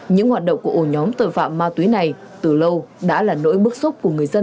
những hoạt động của ổ nhóm tội phạm ma túy này từ lâu đã là nỗi bức xúc của người dân